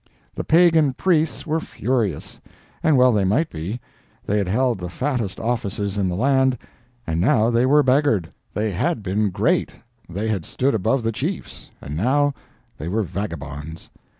The pagan priests were furious. And well they might be; they had held the fattest offices in the land, and now they were beggared; they had been great—they had stood above the chiefs—and now they were vagabonds.